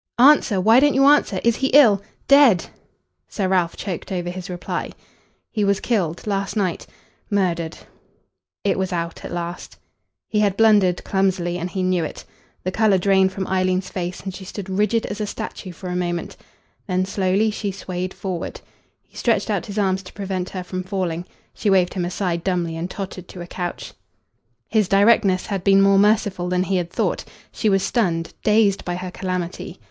"Answer why don't you answer? Is he ill dead?" Sir Ralph choked over his reply. "He was killed last night murdered." It was out at last. He had blundered clumsily, and he knew it. The colour drained from Eileen's face and she stood rigid as a statue for a moment. Then slowly she swayed forward. He stretched out his arms to prevent her from falling. She waved him aside dumbly and tottered to a couch. His directness had been more merciful than he had thought. She was stunned, dazed by her calamity.